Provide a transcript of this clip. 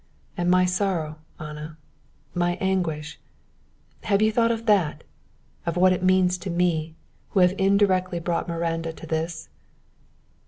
"And my sorrow, Anna, my anguish! Have you thought of that, of what it means to me, who have indirectly brought Miranda to this?"